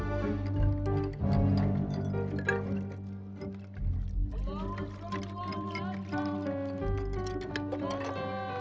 terima kasih ya